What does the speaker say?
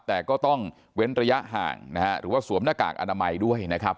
แต่ก็ต้องเว้นระยะห่างนะฮะหรือว่าสวมหน้ากากอนามัยด้วยนะครับ